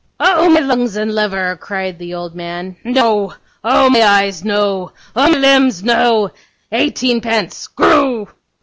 'Oh, my lungs and liver,' cried the old man, 'no! Oh, my eyes, no! Oh, my limbs, no! Eighteenpence. Goroo!